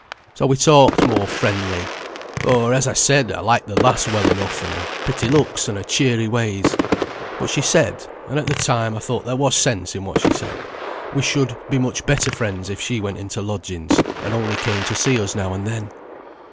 So we talked more friendly, for, as I said, I liked the lass well enough, and her pretty looks, and her cheery ways. But she said (and at the time I thought there was sense in what she said) we should be much better friends if she went into lodgings, and only came to see us now and then."